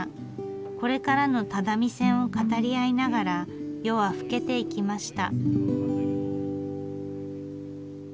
これからの只見線を語り合いながら夜は更けていきました。